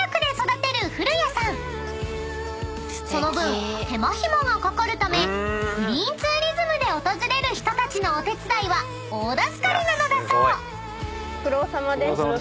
［その分手間暇がかかるためグリーンツーリズムで訪れる人たちのお手伝いは大助かりなのだそう］